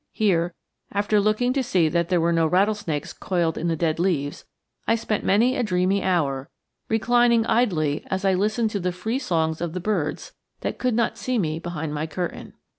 Here after looking to see that there were no rattlesnakes coiled in the dead leaves I spent many a dreamy hour, reclining idly as I listened to the free songs of the birds that could not see me behind my curtain.